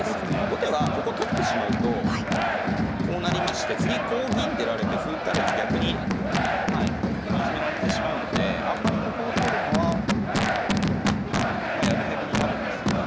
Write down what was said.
後手はここ取ってしまうとこうなりまして次こう銀出られて歩打たれて逆にはいいじめられてしまうのであんまりここを取るのはまあやぶへびになるんですよね。